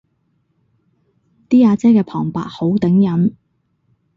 啲阿姐嘅旁白好頂癮